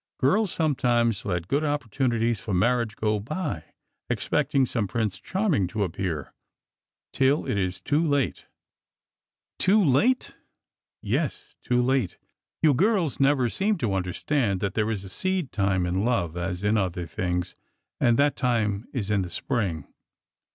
Girls sometimes let good opportunities for mar riage go by, expecting some Prince Charming to appear, till it is too late." '1 SCENT OF A HONEYSUCKLE 385 Too late?'' Yes, too late. You girls never seem to understand that there is a seed time in love as in other things, — and that time is in the spring